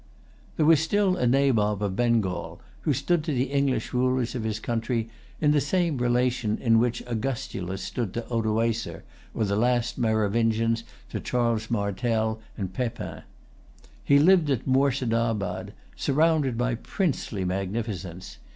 There was still a nabob of Bengal, who stood to the English rulers of his country in the same relation in which Augustulus stood to Odoacer, or the last Merovingians to Charles Martel and Pepin. He lived at Moorshedabad, surrounded by princely magnificence.